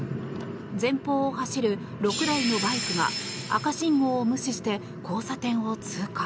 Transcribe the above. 前方を走る６台のバイクが赤信号を無視して交差点を通過。